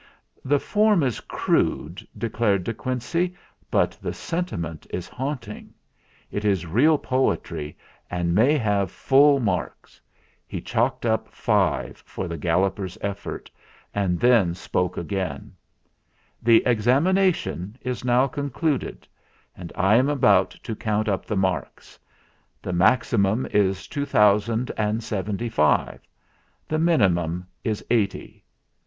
"The form is crude," declared De Quincey, "but the sentiment is haunting. It is real poetry and may have full marks. He chalked 254 THE FLINT HEART up five for the Galloper's effort, and then spoke again : "The Examination is now concluded, and I am about to count up the marks. The maxi mum is two thousand and seventy five ; the min imum is eighty.